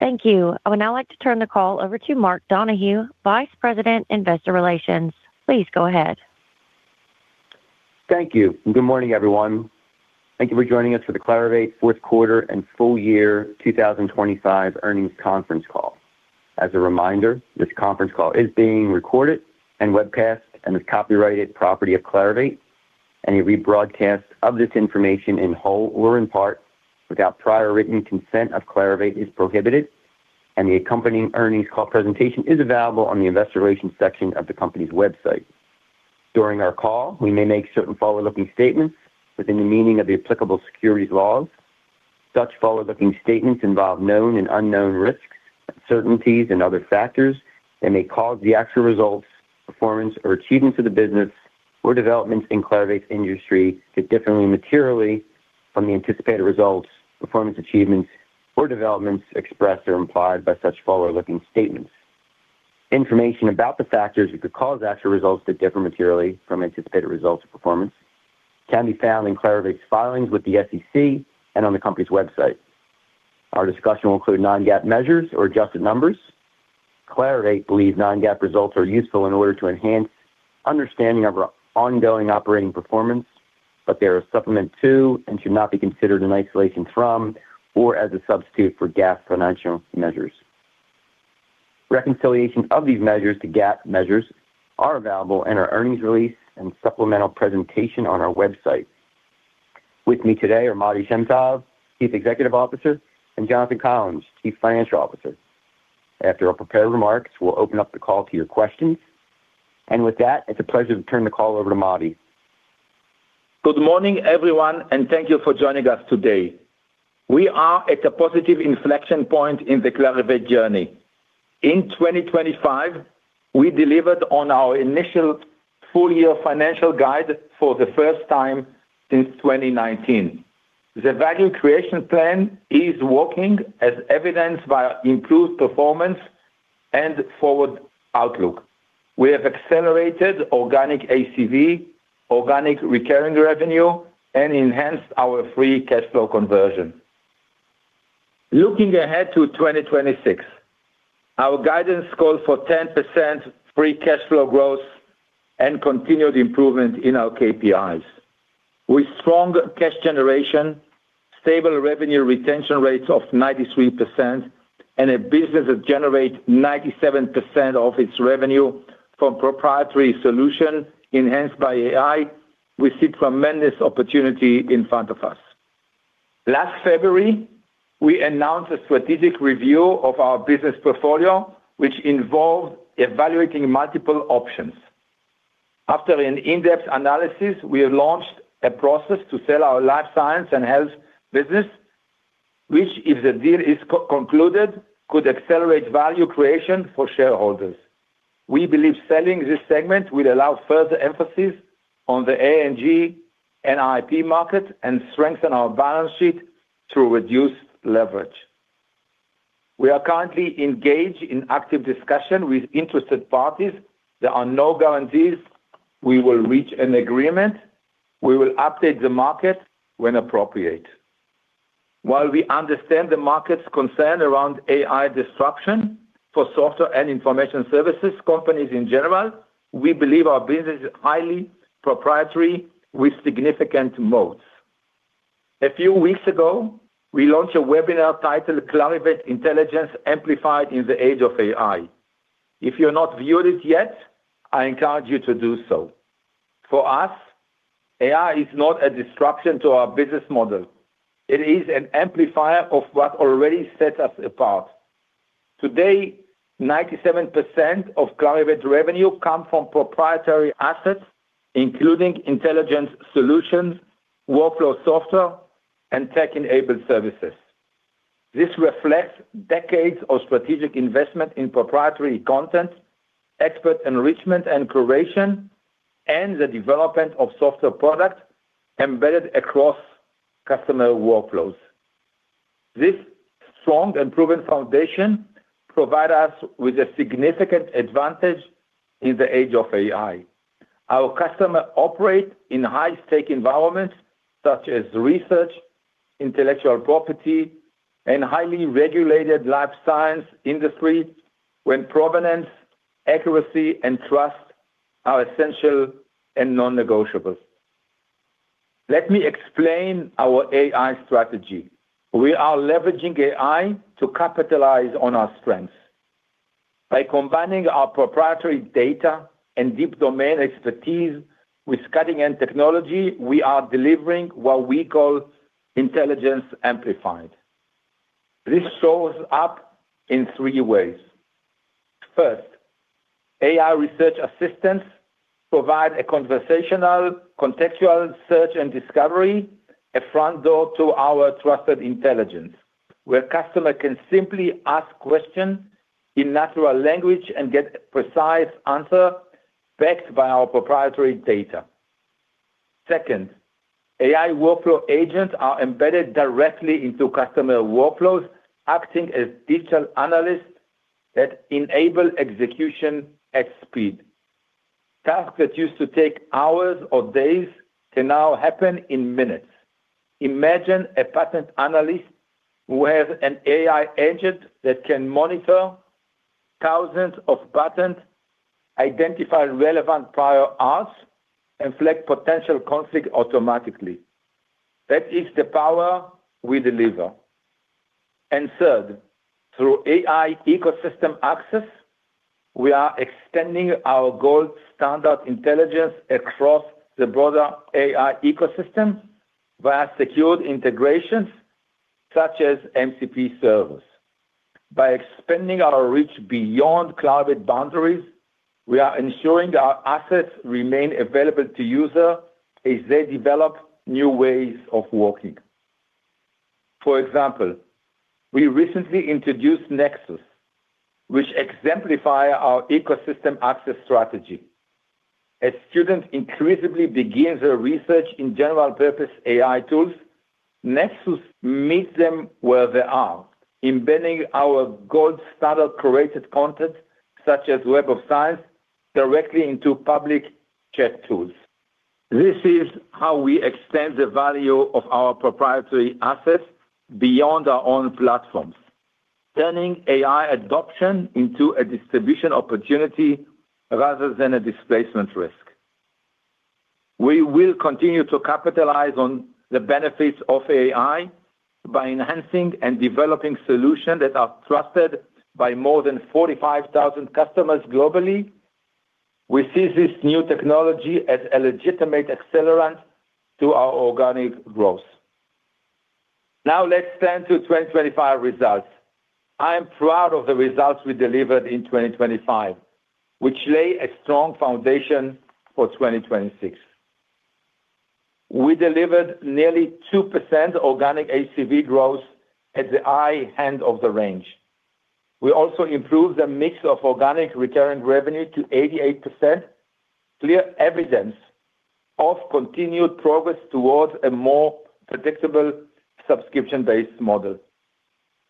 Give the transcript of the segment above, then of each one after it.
Thank you. I would now like to turn the call over to Mark Donohue, Vice President, Investor Relations. Please go ahead. Thank you, good morning, everyone. Thank you for joining us for the Clarivate Q4 and full year 2025 earnings conference call. As a reminder, this conference call is being recorded and webcast and is copyrighted property of Clarivate. Any rebroadcast of this information in whole or in part without prior written consent of Clarivate is prohibited. The accompanying earnings call presentation is available on the Investor Relations section of the company's website. During our call, we may make certain forward-looking statements within the meaning of the applicable securities laws. Such forward-looking statements involve known and unknown risks, uncertainties, and other factors that may cause the actual results, performance, or achievements of the business or developments in Clarivate's industry to differently materially from the anticipated results, performance, achievements, or developments expressed or implied by such forward-looking statements. Information about the factors that could cause actual results to differ materially from anticipated results or performance can be found in Clarivate's filings with the SEC and on the company's website. Our discussion will include non-GAAP measures or adjusted numbers. Clarivate believes non-GAAP results are useful in order to enhance understanding of our ongoing operating performance, they are a supplement to and should not be considered in isolation from or as a substitute for GAAP financial measures. Reconciliation of these measures to GAAP measures are available in our earnings release and supplemental presentation on our website. With me today are Matti Shem Tov, Chief Executive Officer, and Jonathan Collins, Chief Financial Officer. After our prepared remarks, we'll open up the call to your questions. With that, it's a pleasure to turn the call over to Matti. Good morning, everyone, thank you for joining us today. We are at a positive inflection point in the Clarivate journey. In 2025, we delivered on our initial full-year financial guide for the first time since 2019. The value creation plan is working, as evidenced by improved performance and forward outlook. We have accelerated organic ACV, organic recurring revenue, and enhanced our free cash flow conversion. Looking ahead to 2026, our guidance calls for 10% free cash flow growth and continued improvement in our KPIs. With strong cash generation, stable revenue retention rates of 93%, and a business that generates 97% of its revenue from proprietary solutions enhanced by AI, we see tremendous opportunity in front of us. Last February, we announced a strategic review of our business portfolio, which involved evaluating multiple options. After an in-depth analysis, we have launched a process to sell our Life Sciences & Healthcare business, which, if the deal is co-concluded, could accelerate value creation for shareholders. We believe selling this segment will allow further emphasis on the A&G and IP market and strengthen our balance sheet through reduced leverage. We are currently engaged in active discussion with interested parties. There are no guarantees we will reach an agreement. We will update the market when appropriate. While we understand the market's concern around AI disruption for software and information services companies in general, we believe our business is highly proprietary with significant moats. A few weeks ago, we launched a webinar titled Clarivate Intelligence Amplified in the Age of AI. If you have not viewed it yet, I encourage you to do so. For us, AI is not a disruption to our business model. It is an amplifier of what already sets us apart. Today, 97% of Clarivate's revenue come from proprietary assets, including intelligence solutions, workflow software, and tech-enabled services. This reflects decades of strategic investment in proprietary content, expert enrichment and curation, and the development of software products embedded across customer workflows. This strong and proven foundation provide us with a significant advantage in the age of AI. Our customers operate in high-stake environments such as research, intellectual property, and highly regulated life science industry, when provenance, accuracy, and trust are essential and non-negotiable. Let me explain our AI strategy. We are leveraging AI to capitalize on our strengths. By combining our proprietary data and deep domain expertise with cutting-edge technology, we are delivering what we call Intelligence Amplified. This shows up in three ways. First, AI research assistants provide a conversational, contextual search and discovery, a front door to our trusted intelligence, where customers can simply ask questions in natural language and get precise answers backed by our proprietary data. Second, AI workflow agents are embedded directly into customer workflows, acting as digital analysts that enable execution at speed. Tasks that used to take hours or days can now happen in minutes. Imagine a patent analyst who has an AI agent that can monitor thousands of patents, identify relevant prior arts, and flag potential conflict automatically. That is the power we deliver. Third, through AI ecosystem access, we are extending our gold standard intelligence across the broader AI ecosystem via secured integrations such as MCP Servers. By expanding our reach beyond cloud boundaries, we are ensuring that our assets remain available to user as they develop new ways of working. For example, we recently introduced Nexus, which exemplify our ecosystem access strategy. As students increasingly begin their research in general-purpose AI tools, Nexus meets them where they are, embedding our gold standard curated content, such as Web of Science, directly into public chat tools. This is how we extend the value of our proprietary assets beyond our own platforms, turning AI adoption into a distribution opportunity rather than a displacement risk. We will continue to capitalize on the benefits of AI by enhancing and developing solutions that are trusted by more than 45,000 customers globally. We see this new technology as a legitimate accelerant to our organic growth. Now, let's turn to 2025 results. I am proud of the results we delivered in 2025, which lay a strong foundation for 2026. We delivered nearly 2% organic ACV growth at the high end of the range. We also improved the mix of organic recurring revenue to 88%, clear evidence of continued progress towards a more predictable subscription-based model.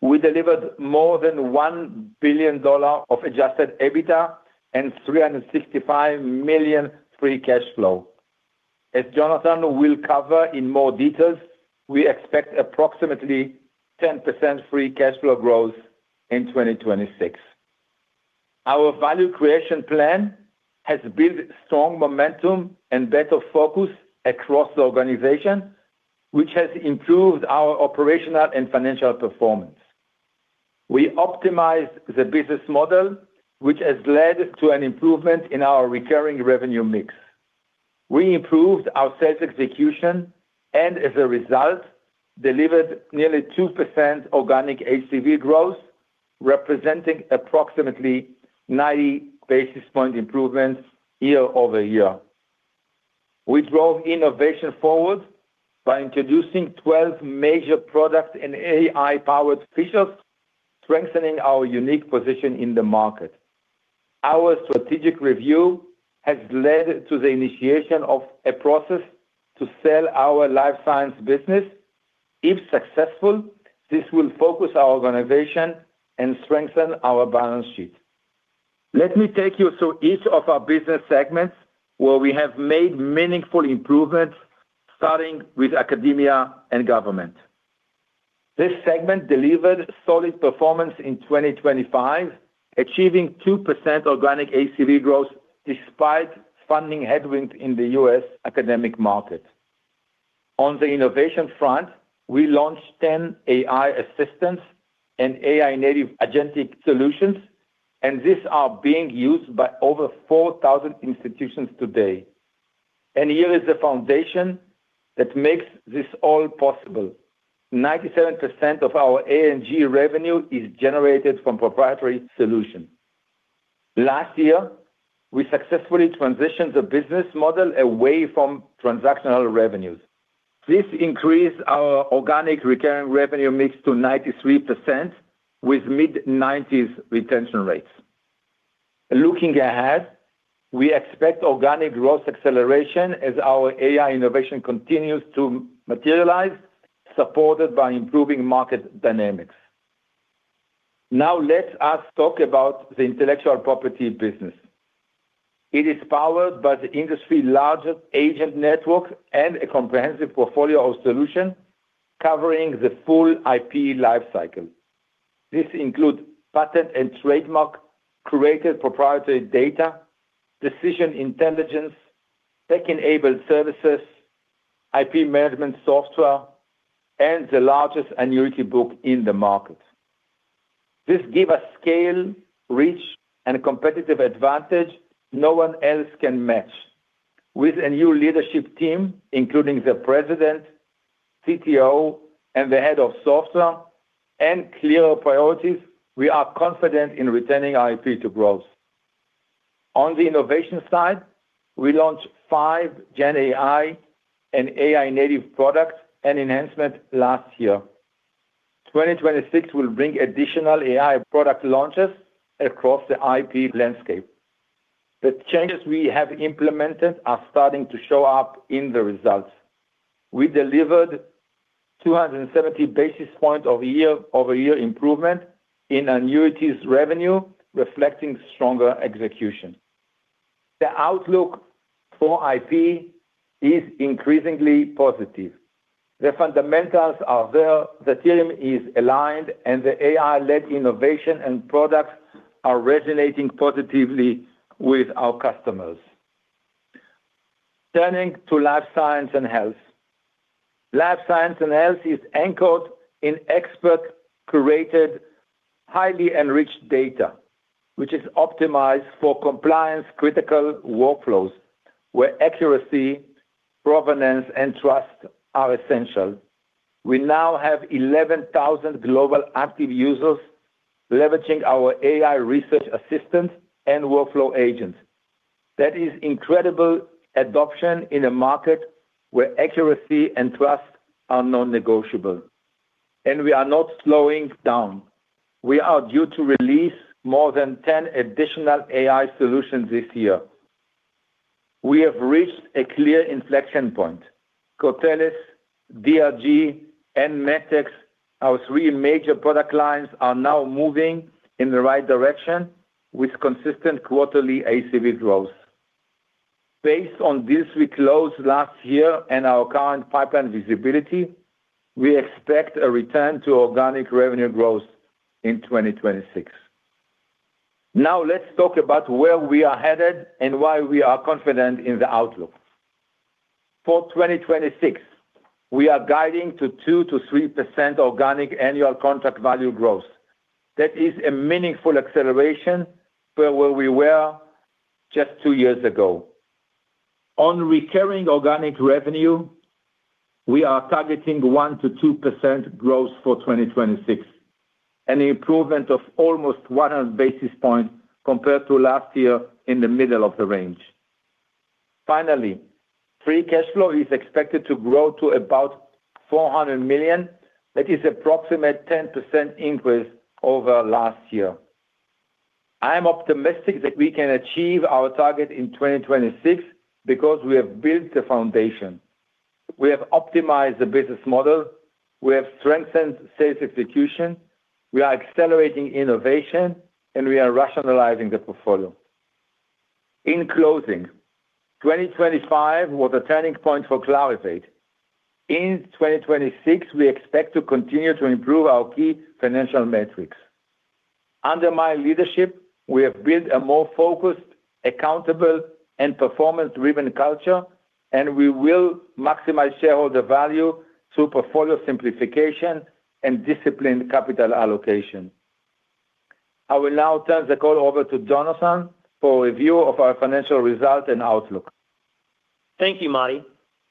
We delivered more than $1 billion of adjusted EBITDA and $365 million free cash flow. As Jonathan will cover in more details, we expect approximately 10% free cash flow growth in 2026. Our value creation plan has built strong momentum and better focus across the organization, which has improved our operational and financial performance. We optimized the business model, which has led to an improvement in our recurring revenue mix. We improved our sales execution, and as a result, delivered nearly 2% organic ACV growth, representing approximately 90 basis point improvements year-over-year. We drove innovation forward by introducing 12 major products and AI-powered features, strengthening our unique position in the market. Our strategic review has led to the initiation of a process to sell our life science business. If successful, this will focus our organization and strengthen our balance sheet. Let me take you through each of our business segments where we have made meaningful improvements, starting with academia and government. This segment delivered solid performance in 2025, achieving 2% organic ACV growth, despite funding headwinds in the U.S. academic market. On the innovation front, we launched 10 AI assistants and AI-native agentic solutions, these are being used by over 4,000 institutions today. Here is the foundation that makes this all possible: 97% of our A&G revenue is generated from proprietary solutions. Last year, we successfully transitioned the business model away from transactional revenues. This increased our organic recurring revenue mix to 93%, with mid-90s retention rates. Looking ahead, we expect organic growth acceleration as our AI innovation continues to materialize, supported by improving market dynamics. Let us talk about the Intellectual Property business. It is powered by the industry's largest agent network and a comprehensive portfolio of solutions covering the full IP life cycle. This includes patent and trademark, curated proprietary data, decision intelligence, tech-enabled services, IP management software, and the largest annuity book in the market. This give us scale, reach, and competitive advantage no one else can match. With a new leadership team, including the president, CTO, and the head of software and clear priorities, we are confident in returning IP to growth. On the innovation side, we launched five GenAI and AI-native products and enhancements last year. 2026 will bring additional AI product launches across the IP landscape. The changes we have implemented are starting to show up in the results. We delivered 270 basis points of year-over-year improvement in annuities revenue, reflecting stronger execution. The outlook for IP is increasingly positive. The fundamentals are there, the team is aligned, and the AI-led innovation and products are resonating positively with our customers. Turning to Life Sciences & Healthcare. Life Sciences & Healthcare is anchored in expert-curated, highly enriched data, which is optimized for compliance-critical workflows, where accuracy, provenance, and trust are essential. We now have 11,000 global active users leveraging our AI research assistants and workflow agents. That is incredible adoption in a market where accuracy and trust are non-negotiable, and we are not slowing down. We are due to release more than 10 additional AI solutions this year. We have reached a clear inflection point. Cortellis, DRG, and MetaX, our three major product lines, are now moving in the right direction with consistent quarterly ACV growth. Based on this, we closed last year and our current pipeline visibility, we expect a return to organic revenue growth in 2026. Now, let's talk about where we are headed and why we are confident in the outlook. For 2026, we are guiding to 2%-3% organic annual contract value growth. That is a meaningful acceleration from where we were just two years ago. On recurring organic revenue, we are targeting 1%-2% growth for 2026, an improvement of almost 100 basis points compared to last year in the middle of the range. Finally, free cash flow is expected to grow to about $400 million. That is approximate 10% increase over last year. I am optimistic that we can achieve our target in 2026 because we have built the foundation. We have optimized the business model, we have strengthened sales execution, we are accelerating innovation, and we are rationalizing the portfolio. In closing, 2025 was a turning point for Clarivate. In 2026, we expect to continue to improve our key financial metrics. Under my leadership, we have built a more focused, accountable, and performance-driven culture, and we will maximize shareholder value through portfolio simplification and disciplined capital allocation. I will now turn the call over to Jonathan for a review of our financial results and outlook. Thank you, Matti.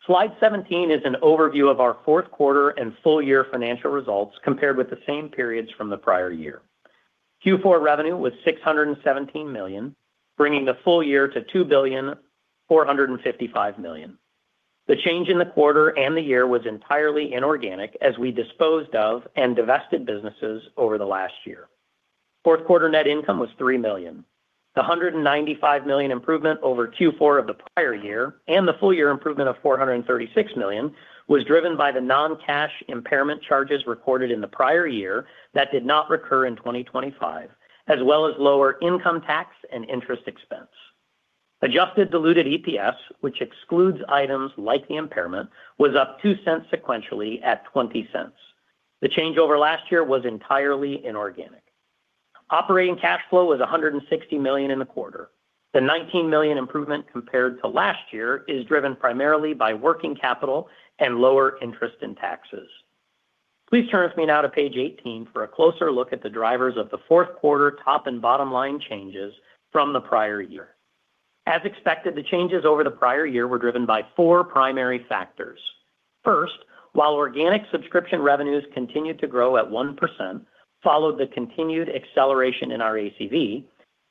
Slide 17 is an overview of our Q4 and full year financial results compared with the same periods from the prior year. Q4 revenue was $617 million, bringing the full year to $2,455,000,000. The change in the quarter and the year was entirely inorganic, as we disposed of and divested businesses over the last year. Q4 net income was $3 million. The $195 million improvement over Q4 of the prior year, and the full year improvement of $436 million, was driven by the non-cash impairment charges recorded in the prior year that did not recur in 2025, as well as lower income tax and interest expense. Adjusted diluted EPS, which excludes items like the impairment, was up $0.02 sequentially at $0.20. The change over last year was entirely inorganic. Operating cash flow was $160 million in the quarter. The $19 million improvement compared to last year is driven primarily by working capital and lower interest in taxes. Please turn with me now to page 18 for a closer look at the drivers of the fourth quarter top and bottom line changes from the prior year. As expected, the changes over the prior year were driven by four primary factors. First, while organic subscription revenues continued to grow at 1%, followed the continued acceleration in our ACV,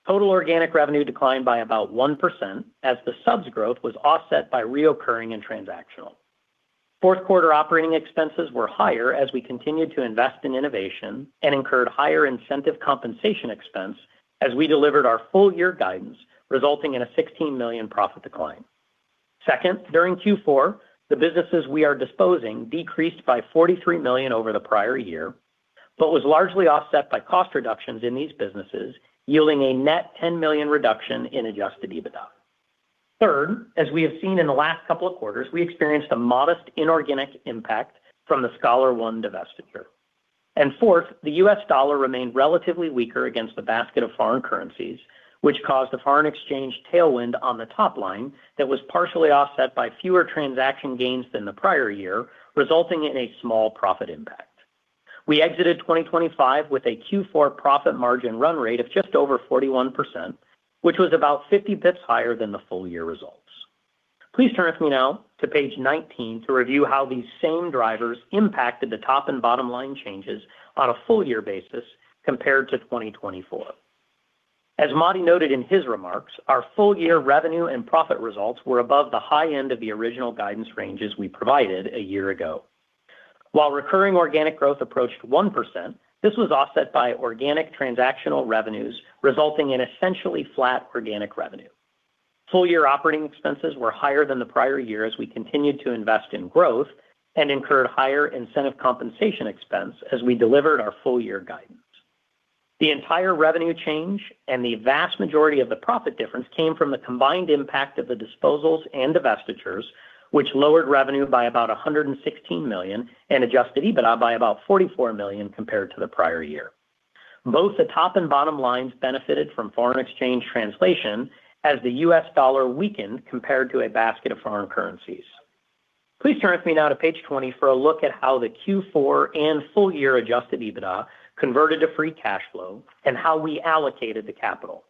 total organic revenue declined by about 1%, as the subs growth was offset by recurring and transactional. Q4 operating expenses were higher as we continued to invest in innovation and incurred higher incentive compensation expense as we delivered our full year guidance, resulting in a $16 million profit decline. Second, during Q4, the businesses we are disposing decreased by $43 million over the prior year, but was largely offset by cost reductions in these businesses, yielding a net $10 million reduction in adjusted EBITDA. Third, as we have seen in the last couple of quarters, we experienced a modest inorganic impact from the ScholarOne divestiture. Fourth, the U.S. dollar remained relatively weaker against the basket of foreign currencies, which caused a foreign exchange tailwind on the top line that was partially offset by fewer transaction gains than the prior year, resulting in a small profit impact. We exited 2025 with a Q4 profit margin run rate of just over 41%, which was about 50 basis points higher than the full year results. Please turn with me now to page 19 to review how these same drivers impacted the top and bottom line changes on a full year basis compared to 2024. As Matti noted in his remarks, our full year revenue and profit results were above the high end of the original guidance ranges we provided a year ago. While recurring organic growth approached 1%, this was offset by organic transactional revenues, resulting in essentially flat organic revenue. Full-year operating expenses were higher than the prior year as we continued to invest in growth and incurred higher incentive compensation expense as we delivered our full-year guidance. The entire revenue change and the vast majority of the profit difference came from the combined impact of the disposals and divestitures, which lowered revenue by about $116 million and adjusted EBITDA by about $44 million compared to the prior year. Both the top and bottom lines benefited from foreign exchange translation as the US dollar weakened compared to a basket of foreign currencies. Please turn with me now to page 20 for a look at how the Q4 and full year adjusted EBITDA converted to free cash flow and how we allocated the capital.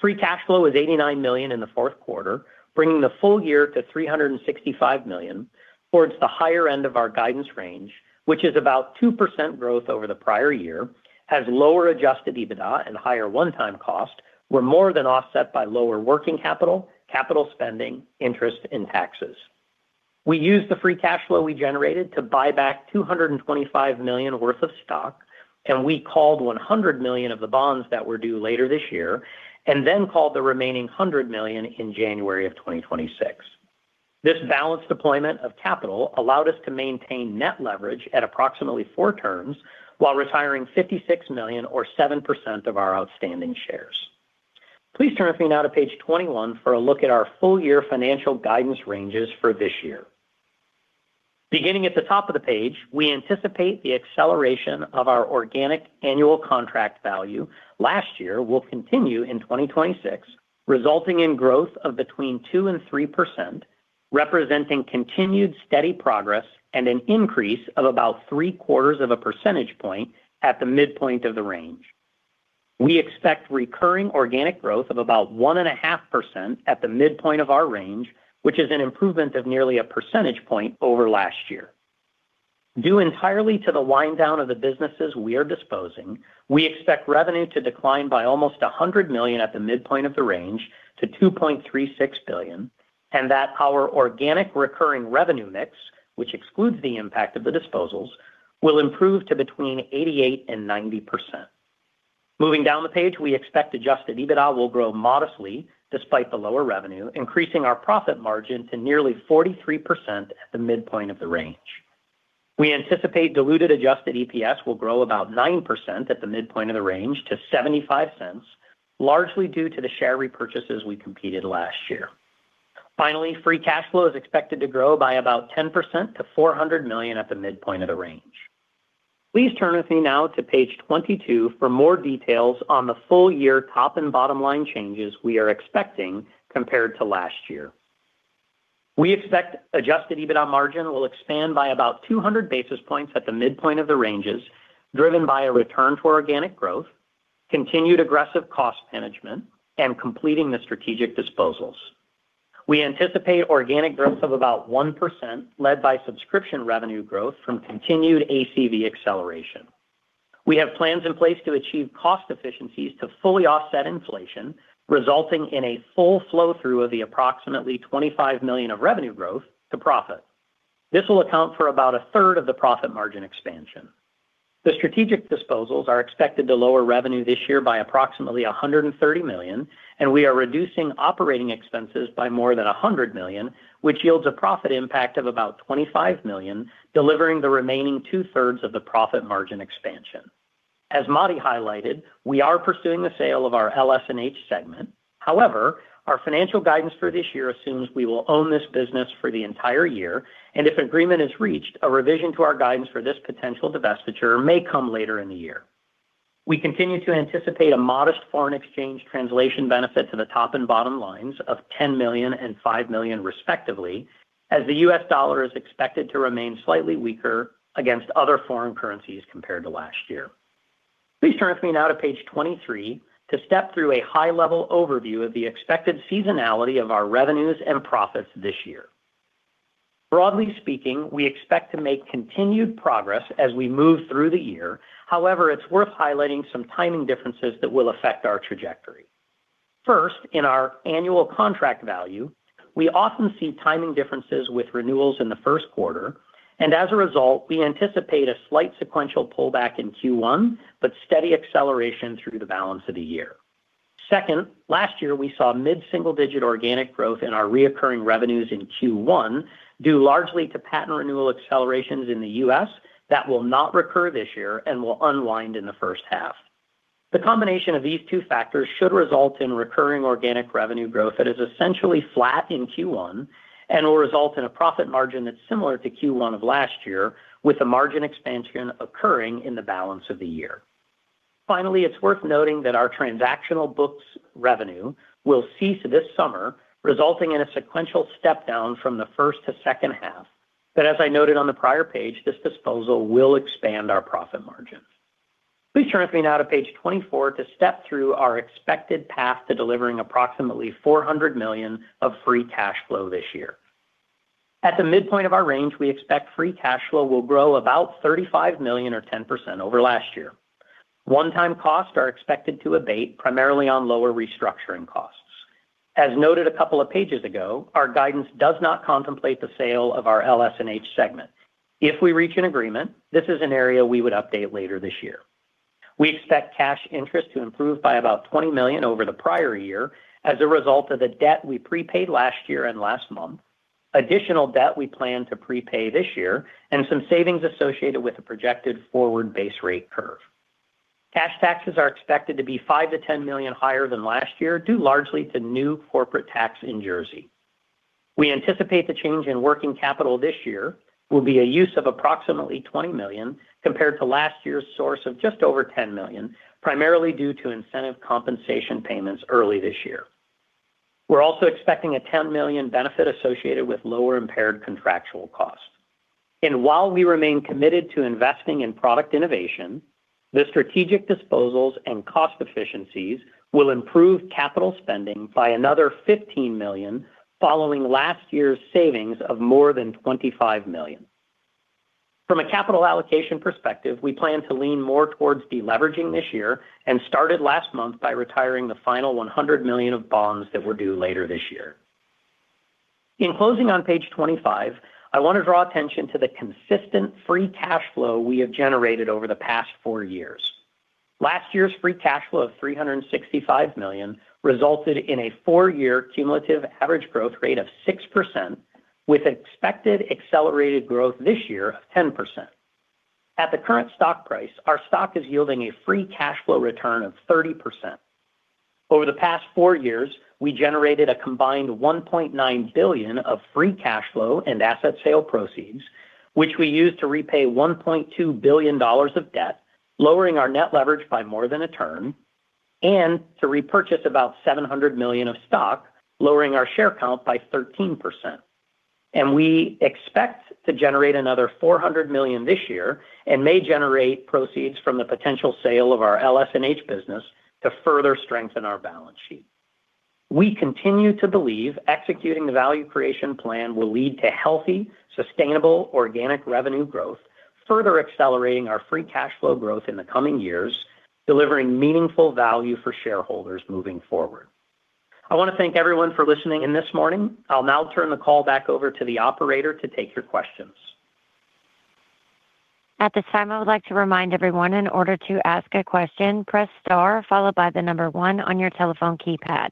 Free cash flow was $89 million in the Q4, bringing the full year to $365 million, towards the higher end of our guidance range, which is about 2% growth over the prior year, has lower adjusted EBITDA and higher one-time cost, were more than offset by lower working capital spending, interest and taxes. We used the free cash flow we generated to buy back $225 million worth of stock, and we called $100 million of the bonds that were due later this year, and then called the remaining $100 million in January of 2026. This balanced deployment of capital allowed us to maintain net leverage at approximately four terms while retiring $56 million or 7% of our outstanding shares. Please turn with me now to page 21 for a look at our full year financial guidance ranges for this year. Beginning at the top of the page, we anticipate the acceleration of our organic annual contract value last year will continue in 2026, resulting in growth of between 2% and 3%, representing continued steady progress and an increase of about three-quarters of a percentage point at the midpoint of the range. We expect recurring organic growth of about 1.5% at the midpoint of our range, which is an improvement of nearly a percentage point over last year. Due entirely to the wind down of the businesses we are disposing, we expect revenue to decline by almost $100 million at the midpoint of the range to $2.36 billion, and that our organic recurring revenue mix, which excludes the impact of the disposals, will improve to between 88% and 90%. Moving down the page, we expect adjusted EBITDA will grow modestly despite the lower revenue, increasing our profit margin to nearly 43% at the midpoint of the range. We anticipate diluted adjusted EPS will grow about 9% at the midpoint of the range to $0.75, largely due to the share repurchases we completed last year. Finally, free cash flow is expected to grow by about 10% to $400 million at the midpoint of the range. Please turn with me now to page 22 for more details on the full year top and bottom line changes we are expecting compared to last year. We expect adjusted EBITDA margin will expand by about 200 basis points at the midpoint of the ranges, driven by a return to organic growth, continued aggressive cost management, and completing the strategic disposals. We anticipate organic growth of about 1%, led by subscription revenue growth from continued ACV acceleration. We have plans in place to achieve cost efficiencies to fully offset inflation, resulting in a full flow-through of the approximately $25 million of revenue growth to profit. This will account for about a third of the profit margin expansion. The strategic disposals are expected to lower revenue this year by approximately $130 million, and we are reducing operating expenses by more than $100 million, which yields a profit impact of about $25 million, delivering the remaining two-thirds of the profit margin expansion. As Matti highlighted, we are pursuing the sale of our LS&H segment. However, our financial guidance for this year assumes we will own this business for the entire year, and if agreement is reached, a revision to our guidance for this potential divestiture may come later in the year. We continue to anticipate a modest foreign exchange translation benefit to the top and bottom lines of $10 million and $5 million, respectively, as the U.S. dollar is expected to remain slightly weaker against other foreign currencies compared to last year. Please turn with me now to page 23 to step through a high-level overview of the expected seasonality of our revenues and profits this year. Broadly speaking, we expect to make continued progress as we move through the year. It's worth highlighting some timing differences that will affect our trajectory. In our annual contract value, we often see timing differences with renewals in the first quarter, and as a result, we anticipate a slight sequential pullback in Q1, but steady acceleration through the balance of the year. Last year, we saw mid-single-digit organic growth in our reoccurring revenues in Q1, due largely to patent renewal accelerations in the U.S. that will not recur this year and will unwind in the first half. The combination of these two factors should result in recurring organic revenue growth that is essentially flat in Q1 and will result in a profit margin that's similar to Q1 of last year, with a margin expansion occurring in the balance of the year. Finally, it's worth noting that our transactional books revenue will cease this summer, resulting in a sequential step down from the first to second half. As I noted on the prior page, this disposal will expand our profit margins. Please turn with me now to page 24 to step through our expected path to delivering approximately $400 million of free cash flow this year. At the midpoint of our range, we expect free cash flow will grow about $35 million or 10% over last year. One-time costs are expected to abate, primarily on lower restructuring costs. As noted a couple of pages ago, our guidance does not contemplate the sale of our LS&H segment. If we reach an agreement, this is an area we would update later this year. We expect cash interest to improve by about $20 million over the prior year as a result of the debt we prepaid last year and last month, additional debt we plan to prepay this year, and some savings associated with the projected forward base rate curve. Cash taxes are expected to be $5 million-$10 million higher than last year, due largely to new corporate tax in Jersey. We anticipate the change in working capital this year will be a use of approximately $20 million, compared to last year's source of just over $10 million, primarily due to incentive compensation payments early this year. We're also expecting a $10 million benefit associated with lower impaired contractual costs. While we remain committed to investing in product innovation, the strategic disposals and cost efficiencies will improve capital spending by another $15 million, following last year's savings of more than $25 million. From a capital allocation perspective, we plan to lean more towards de-leveraging this year and started last month by retiring the final $100 million of bonds that were due later this year. In closing on page 25, I want to draw attention to the consistent free cash flow we have generated over the past four years. Last year's free cash flow of $365 million resulted in a four year cumulative average growth rate of 6%, with expected accelerated growth this year of 10%. At the current stock price, our stock is yielding a free cash flow return of 30%. Over the past four years, we generated a combined $1.9 billion of free cash flow and asset sale proceeds, which we used to repay $1.2 billion of debt, lowering our net leverage by more than a term and to repurchase about $700 million of stock, lowering our share count by 13%. We expect to generate another $400 million this year and may generate proceeds from the potential sale of our LS&H business to further strengthen our balance sheet. We continue to believe executing the value creation plan will lead to healthy, sustainable, organic revenue growth, further accelerating our free cash flow growth in the coming years, delivering meaningful value for shareholders moving forward. I want to thank everyone for listening in this morning. I'll now turn the call back over to the operator to take your questions. At this time, I would like to remind everyone in order to ask a question, press star, followed by the number one on your telephone keypad.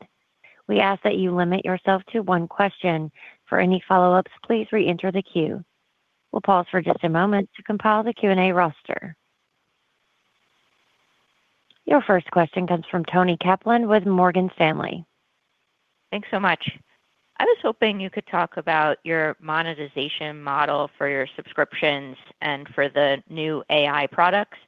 We ask that you limit yourself to one question. For any follow-ups, please reenter the queue. We'll pause for just a moment to compile the Q&A roster. Your first question comes from Toni Kaplan with Morgan Stanley. Thanks so much. I was hoping you could talk about your monetization model for your subscriptions and for the new AI products.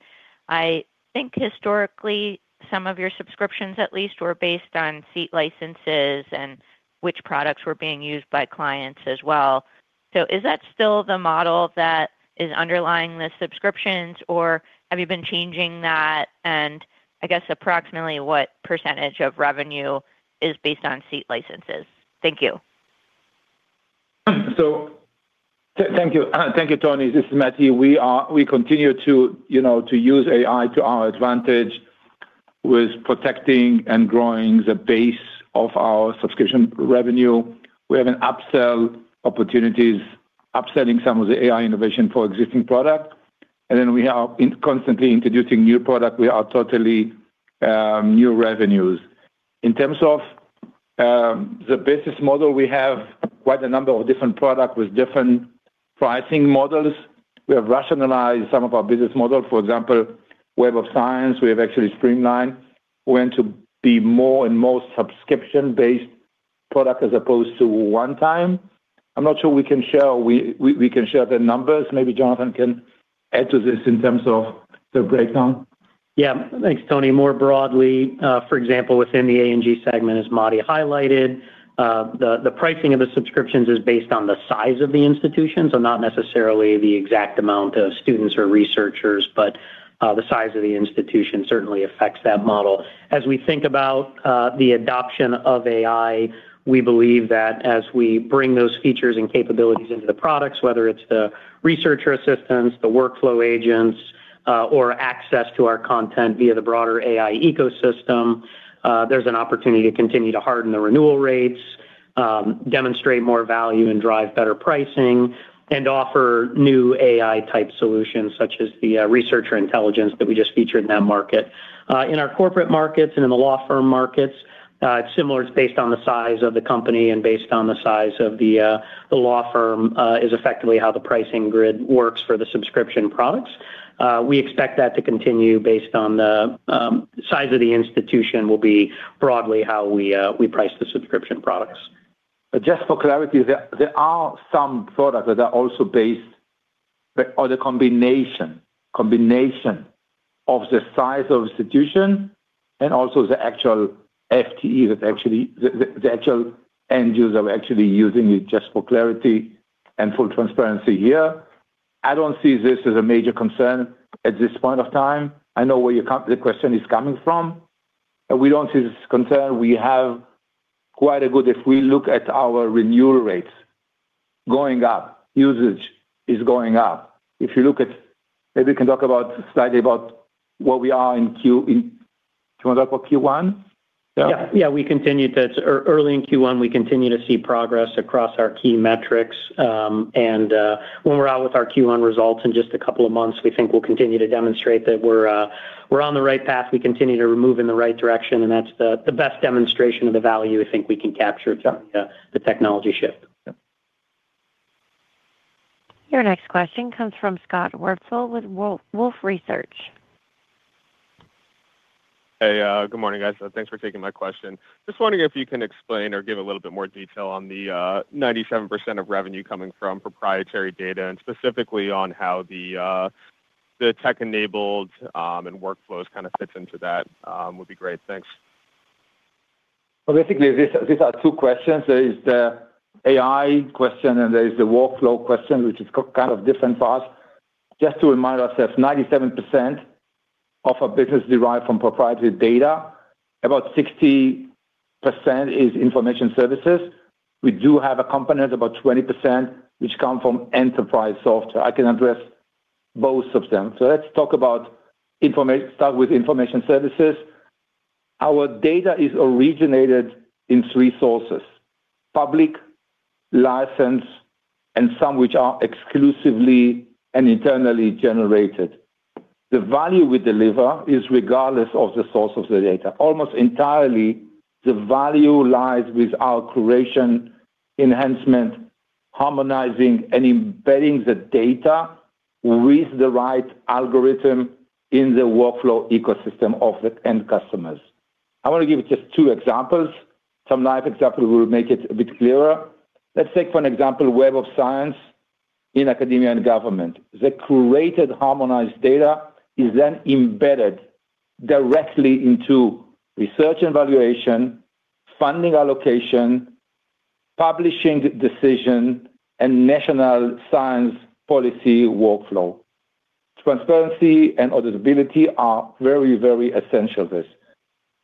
I think historically, some of your subscriptions, at least, were based on seat licenses and which products were being used by clients as well. Is that still the model that is underlying the subscriptions, or have you been changing that? I guess, approximately, what percentage of revenue is based on seat licenses? Thank you. Thank you. Thank you, Toni. This is Matti. We continue to, you know, to use AI to our advantage with protecting and growing the base of our subscription revenue. We have an upsell opportunities, upselling some of the AI innovation for existing product, and then we are constantly introducing new product. We are totally new revenues. In terms of the business model, we have quite a number of different products with different pricing models. We have rationalized some of our business model. For example, Web of Science, we have actually streamlined when to be more and more subscription-based product as opposed to one time. I'm not sure we can share, we can share the numbers. Maybe Jonathan can add to this in terms of the breakdown. Yeah. Thanks, Toni. More broadly, for example, within the A&G segment, as Matti highlighted, the pricing of the subscriptions is based on the size of the institution, so not necessarily the exact amount of students or researchers, but the size of the institution certainly affects that model. As we think about the adoption of AI, we believe that as we bring those features and capabilities into the products, whether it's the researcher assistants, the workflow agents, or access to our content via the broader AI ecosystem, there's an opportunity to continue to harden the renewal rates, demonstrate more value and drive better pricing, and offer new AI-type solutions, such as the researcher intelligence that we just featured in that market. In our corporate markets and in the law firm markets, it's similar. It's based on the size of the company and based on the size of the the law firm, is effectively how the pricing grid works for the subscription products. We expect that to continue based on the size of the institution will be broadly how we we price the subscription products. Just for clarity, there are some products that are also based or the combination of the size of institution and also the actual FTE, that actually the actual end users are actually using it just for clarity and full transparency here. I don't see this as a major concern at this point of time. I know where your question is coming from, but we don't see this as a concern. We have quite a good... If we look at our renewal rates going up, usage is going up. If you look at maybe we can talk about, slightly about where we are in Q, do you want to talk about Q1? Yeah. Yeah, we continued to, early in Q1, we continued to see progress across our key metrics, and when we're out with our Q1 results in just a couple of months, we think we'll continue to demonstrate that we're on the right path. We continue to move in the right direction, and that's the best demonstration of the value I think we can capture Yeah The technology shift. Yeah. Your next question comes from Scott Wurtzel with Wolfe Research. Hey, good morning, guys. Thanks for taking my question. Just wondering if you can explain or give a little bit more detail on the 97% of revenue coming from proprietary data, and specifically on how the tech-enabled and workflows kind of fits into that would be great. Thanks. Well, basically, these are two questions. There is the AI question and there is the workflow question, which is kind of different for us. Just to remind ourselves, 97% of our business derive from proprietary data. About 60% is information services. We do have a component, about 20%, which come from enterprise software. I can address both of them. Let's talk about information, start with information services. Our data is originated in three sources: public, licensed, and some which are exclusively and internally generated. The value we deliver is regardless of the source of the data. Almost entirely, the value lies with our curation, enhancement, harmonizing, and embedding the data with the right algorithm in the workflow ecosystem of the end customers. I want to give you just two examples. Some live example will make it a bit clearer. Let's take, for an example, Web of Science in academia and government. The curated, harmonized data is embedded directly into research and evaluation, funding allocation, publishing decision, and national science policy workflow. Transparency and auditability are very essential this.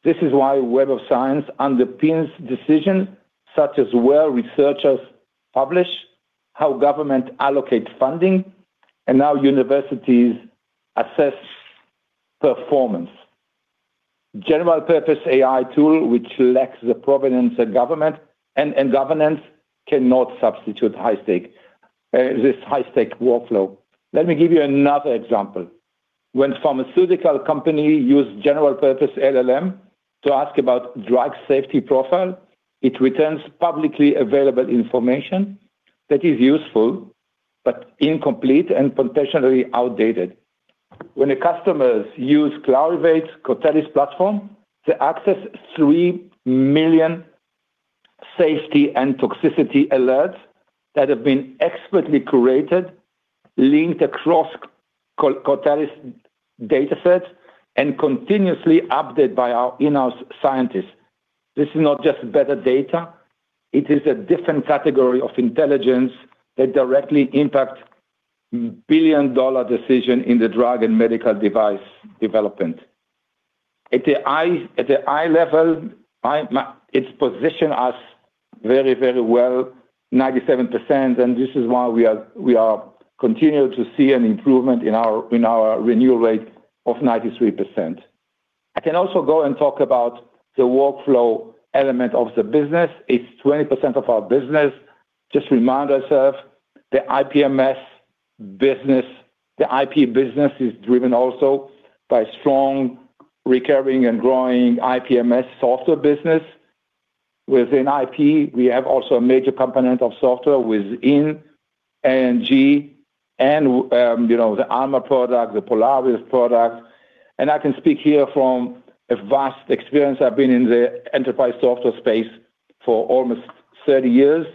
This is why Web of Science underpins decisions such as where researchers publish, how government allocate funding, and how universities assess performance. General-purpose AI tool, which lacks the provenance and government, and governance, cannot substitute high stake this high-stake workflow. Let me give you another example. When pharmaceutical company use general-purpose LLM to ask about drug safety profile, it returns publicly available information that is useful but incomplete and potentially outdated. When the customers use Clarivate Cortellis platform to access 3,000,000 safety and toxicity alerts that have been expertly curated, linked across Cortellis datasets, and continuously updated by our in-house scientists. This is not just better data, it is a different category of intelligence that directly impact billion-dollar decision in the drug and medical device development. At the eye level, it positions us very, very well, 97%, and this is why we are continuing to see an improvement in our renewal rate of 93%. I can also go and talk about the workflow element of the business. It's 20% of our business. Just remind ourselves, the IPMS business, the IP business is driven also by strong recurring and growing IPMS software business. Within IP, we have also a major component of software within ANG and, you know, the Alma product, the Polaris product. I can speak here from a vast experience. I've been in the enterprise software space for almost 30 years.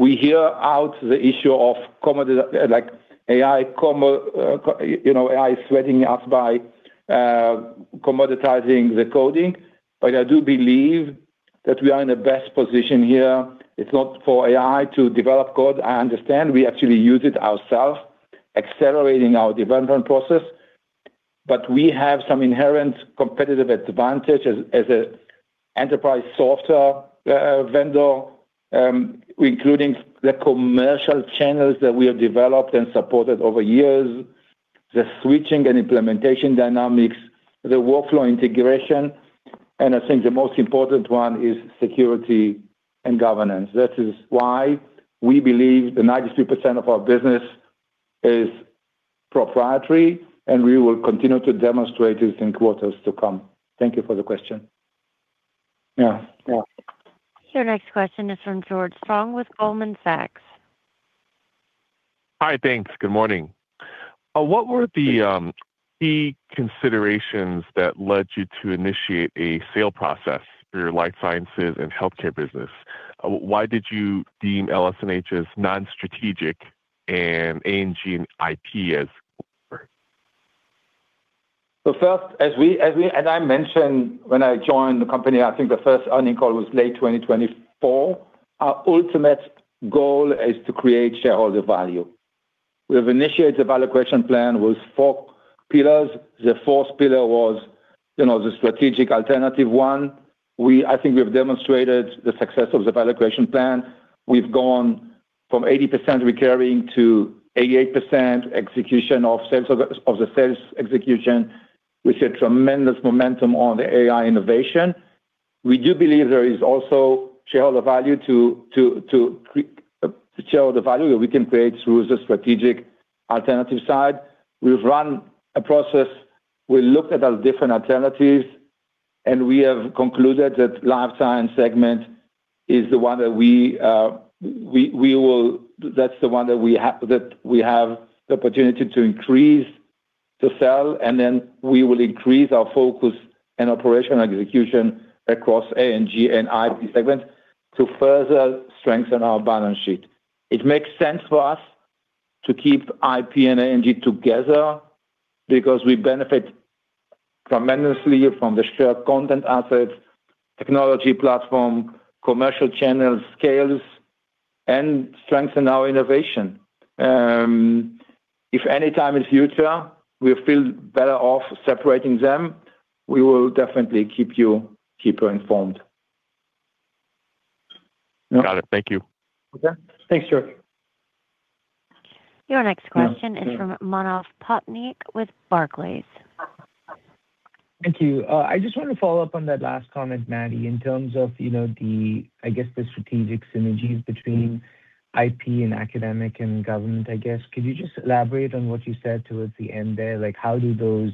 We hear out the issue of you know, AI threatening us by commoditizing the coding, I do believe that we are in the best position here. It's not for AI to develop code. I understand we actually use it ourselves, accelerating our development process. We have some inherent competitive advantage as a enterprise software vendor, including the commercial channels that we have developed and supported over years, the switching and implementation dynamics, the workflow integration, and I think the most important one is security and governance. That is why we believe the 93% of our business is proprietary, we will continue to demonstrate this in quarters to come. Thank you for the question. Yeah, yeah. Your next question is from George Tong with Goldman Sachs. Hi, thanks. Good morning. What were the key considerations that led you to initiate a sale process for your Life Sciences and Healthcare business? Why did you deem LS&H as non-strategic and ANG and IP as? First, and I mentioned when I joined the company, I think the first earning call was late 2024, our ultimate goal is to create shareholder value. We have initiated the value creation plan with four pillars. The fourth pillar was, you know, the strategic alternative one. I think we have demonstrated the success of the value creation plan. We've gone from 80% recurring to 88% execution of the sales execution, which is tremendous momentum on the AI innovation. We do believe there is also shareholder value to create, to show the value that we can create through the strategic alternative side. We've run a process, we looked at our different alternatives, we have concluded that Life Science segment is the one that we will that's the one that we have the opportunity to increase, to sell. We will increase our focus and operational execution across A&G and IP segment to further strengthen our balance sheet. It makes sense for us to keep IP and A&G together because we benefit tremendously from the shared content assets, technology platform, commercial channel scales, and strengthen our innovation. If any time in future we feel better off separating them, we will definitely keep you informed. Got it. Thank you. Okay. Thanks, George. Your next question is from Manav Patnaik with Barclays. Thank you. I just wanted to follow up on that last comment, Matti, in terms of, you know, the, I guess, the strategic synergies between IP and academic and government, I guess. Could you just elaborate on what you said towards the end there? Like, how do those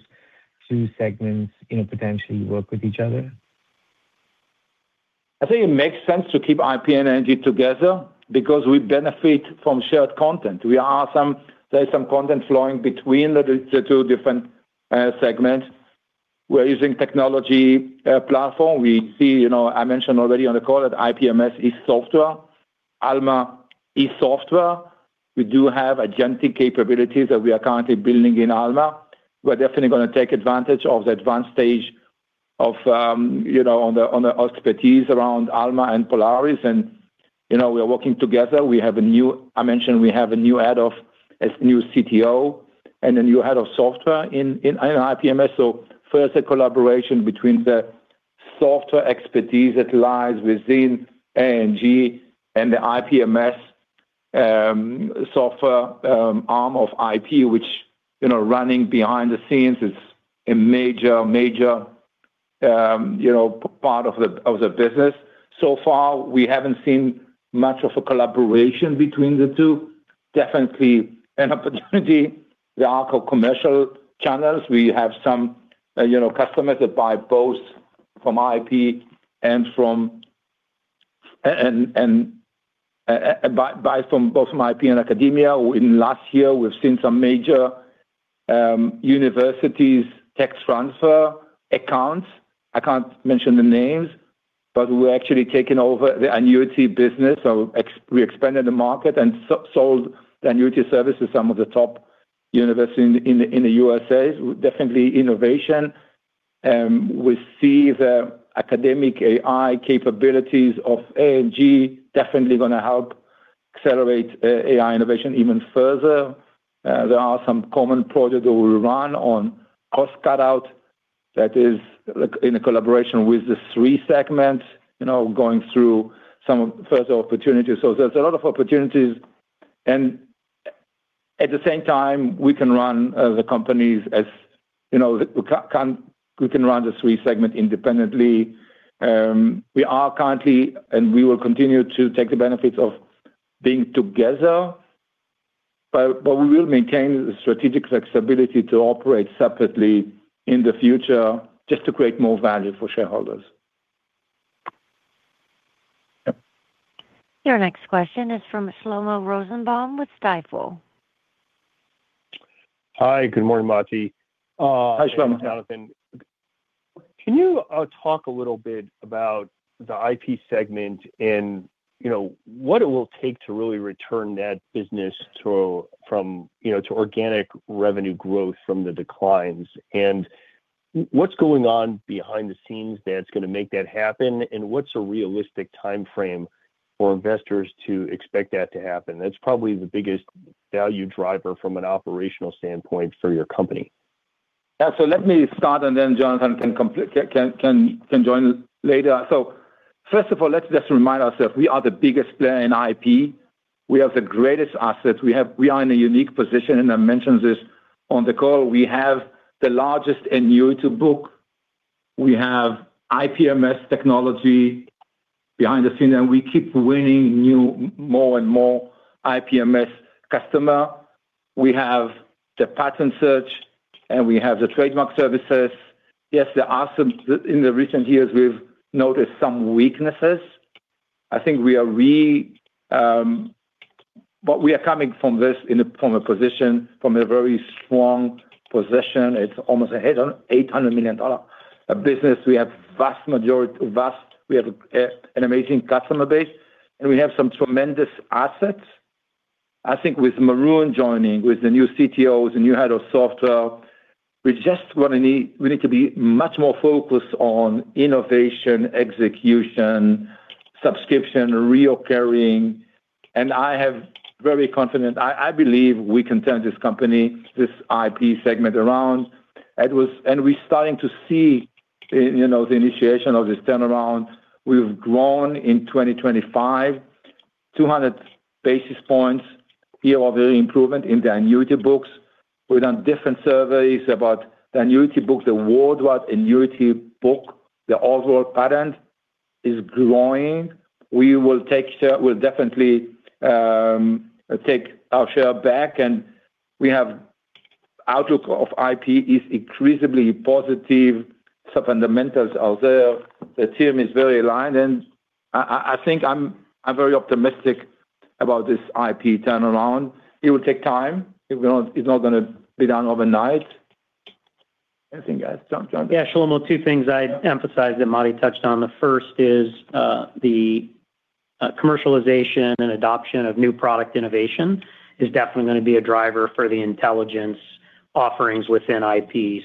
two segments, you know, potentially work with each other? I think it makes sense to keep IP and A&G together because we benefit from shared content. There is some content flowing between the two different segments. We're using technology platform. We see, you know, I mentioned already on the call that IPMS is software. Alma is software. We do have agentic capabilities that we are currently building in Alma. We're definitely gonna take advantage of the advanced stage of, you know, on the expertise around Alma and Polaris and, you know, we are working together. I mentioned we have a new CTO and a new head of software in IPMS. Further collaboration between the software expertise that lies within A&G and the IPMS software arm of IP, which, you know, running behind the scenes, it's a major part of the business. Far, we haven't seen much of a collaboration between the two. Definitely an opportunity. There are commercial channels. We have some, you know, customers that buy both from IP and from and buy from both from IP and academia. In last year, we've seen some major universities tech transfer accounts. I can't mention the names, but we're actually taking over the annuity business, we expanded the market and sold the annuity service to some of the top universities in the USA. Definitely innovation, we see the academic AI capabilities of A&G definitely gonna help accelerate AI innovation even further. There are some common projects that we run on cost cutout, that is, like, in a collaboration with the three segments, you know, going through some further opportunities. There's a lot of opportunities, and at the same time, we can run the companies as, you know, we can run the three segments independently. We are currently, and we will continue to take the benefits of being together, but we will maintain the strategic flexibility to operate separately in the future just to create more value for shareholders. Your next question is from Shlomo Rosenbaum with Stifel. Hi, good morning, Matti. Hi, Shlomo. Jonathan, Can you talk a little bit about the IP segment and, you know, what it will take to really return that business to organic revenue growth from the declines? What's going on behind the scenes that's gonna make that happen, and what's a realistic timeframe for investors to expect that to happen? That's probably the biggest value driver from an operational standpoint for your company. Let me start, and then Jonathan can complete, can join later. First of all, let's just remind ourselves, we are the biggest player in IP. We have the greatest assets. We are in a unique position, and I mentioned this on the call. We have the largest annuity book. We have IPMS technology behind the scenes, and we keep winning new, more and more IPMS customer. We have the patent search, and we have the trademark services. Yes, there are some, in the recent years, we've noticed some weaknesses. I think we are, but we are coming from this in a very strong position. It's almost a $800 million dollar business. We have an amazing customer base, and we have some tremendous assets. I think with Maroun joining, with the new CTO, the new head of software. We need to be much more focused on innovation, execution, subscription, recurring. I have very confident, I believe we can turn this company, this IP segment, around. We're starting to see, you know, the initiation of this turnaround. We've grown in 2025, 200 basis points year-over-year improvement in the annuity books. We've done different surveys about the annuity books, the worldwide annuity book, the overall pattern is growing. We will take share, we'll definitely take our share back. We have outlook of IP is increasingly positive. Some fundamentals are there. The team is very aligned, I think I'm very optimistic about this IP turnaround. It will take time. It's not gonna be done overnight. Anything to add, Jonathan? Yeah, Shlomo, two things I'd emphasize that Matti touched on. The first is the commercialization and adoption of new product innovation is definitely gonna be a driver for the intelligence offerings within IP.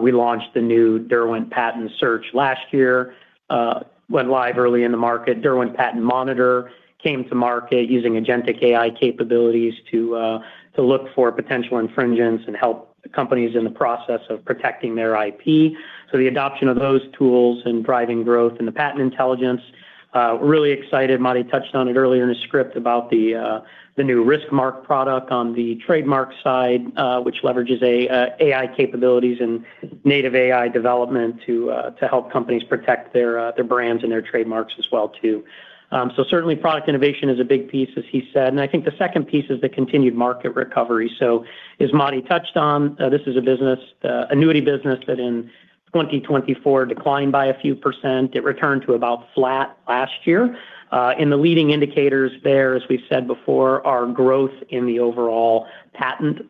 We launched the new Derwent Patent Search last year, went live early in the market. Derwent Patent Monitor came to market using agentic AI capabilities to look for potential infringements and help companies in the process of protecting their IP. The adoption of those tools and driving growth in the patent intelligence, we're really excited. Matti touched on it earlier in his script about the new RiskMark product on the trademark side, which leverages AI capabilities and native AI development to help companies protect their brands and their trademarks as well, too. Certainly, product innovation is a big piece, as he said, and I think the second piece is the continued market recovery. As Matti touched on, this is a business, annuity business that in 2024 declined by a few percent. It returned to about flat last year. The leading indicators there, as we've said before, are growth in the overall patent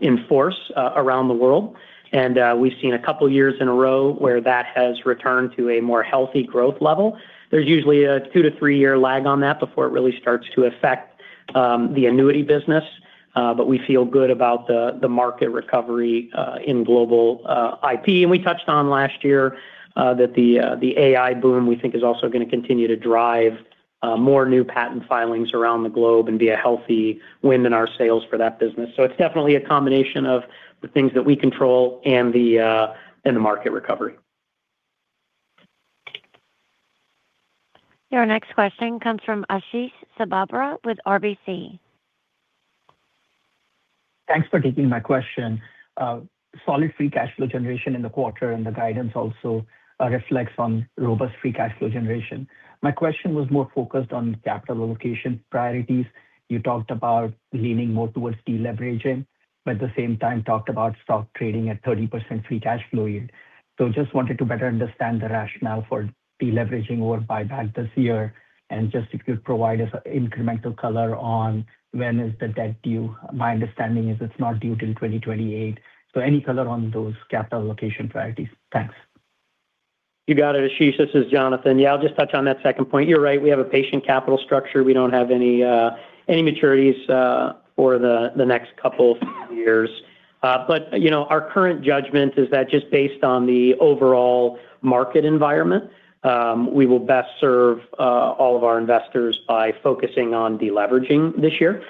in force around the world. We've seen a couple of years in a row where that has returned to a more healthy growth level. There's usually a two to three year lag on that before it really starts to affect the annuity business, we feel good about the market recovery in global IP. We touched on last year, that the AI boom, we think is also gonna continue to drive more new patent filings around the globe and be a healthy win in our sales for that business. It's definitely a combination of the things that we control and the market recovery. Your next question comes from Ashish Sabadra with RBC. Thanks for taking my question. Solid free cash flow generation in the quarter, and the guidance also reflects on robust free cash flow generation. My question was more focused on capital allocation priorities. You talked about leaning more towards deleveraging, but at the same time talked about stock trading at 30% free cash flow yield. Just wanted to better understand the rationale for deleveraging or buyback this year, and just if you could provide us incremental color on when is the debt due. My understanding is it's not due till 2028. Any color on those capital allocation priorities? Thanks. You got it, Ashish. This is Jonathan. Yeah, I'll just touch on that second point. You're right, we have a patient capital structure. We don't have any maturities for the next couple years. You know, our current judgment is that just based on the overall market environment, we will best serve all of our investors by focusing on deleveraging this year.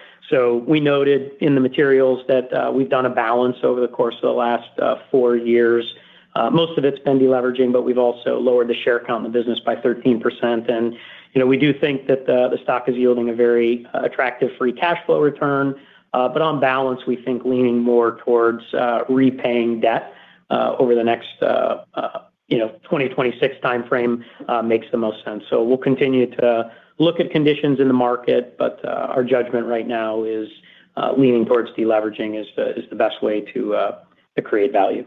We noted in the materials that we've done a balance over the course of the last four years. Most of it's been deleveraging, but we've also lowered the share count in the business by 13%. You know, we do think that the stock is yielding a very attractive free cash flow return. On balance, we think leaning more towards, repaying debt, over the next, you know, 2026 time frame, makes the most sense. We'll continue to look at conditions in the market, but, our judgment right now is leaning towards deleveraging is the best way to create value.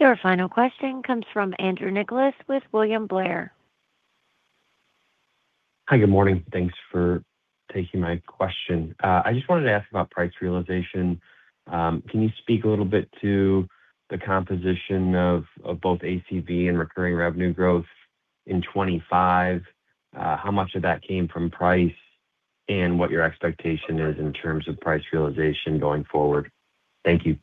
Your final question comes from Andrew Nicholas with William Blair. Hi, good morning. Thanks for taking my question. I just wanted to ask about price realization. Can you speak a little bit to the composition of both ACV and recurring revenue growth in 2025? How much of that came from price, and what your expectation is in terms of price realization going forward? Thank you.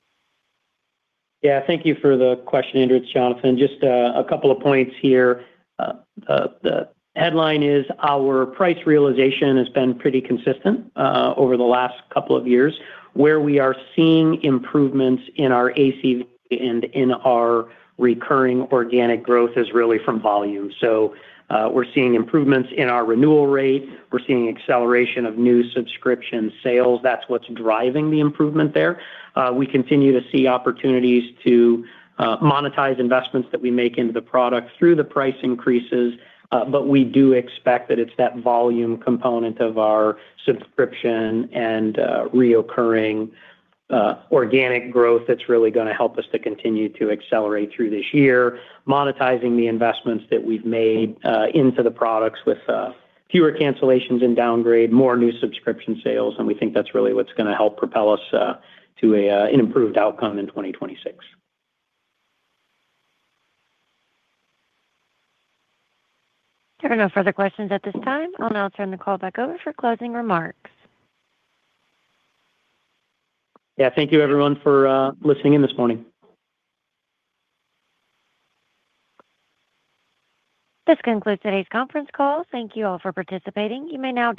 Yeah, thank you for the question, Andrew. It's Jonathan. Just a couple of points here. The headline is our price realization has been pretty consistent over the last couple of years. Where we are seeing improvements in our ACV and in our recurring organic growth is really from volume. We're seeing improvements in our renewal rate. We're seeing acceleration of new subscription sales. That's what's driving the improvement there. We continue to see opportunities to monetize investments that we make into the product through the price increases, but we do expect that it's that volume component of our subscription and reoccurring organic growth that's really gonna help us to continue to accelerate through this year. Monetizing the investments that we've made into the products with fewer cancellations and downgrade, more new subscription sales, and we think that's really what's gonna help propel us to an improved outcome in 2026. There are no further questions at this time. I'll now turn the call back over for closing remarks. Yeah, thank you everyone for listening in this morning. This concludes today's conference call. Thank you all for participating. You may now disconnect.